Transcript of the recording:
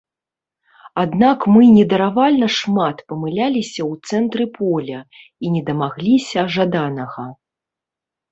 Аднак мы недаравальна шмат памыляліся ў цэнтры поля і не дамагліся жаданага.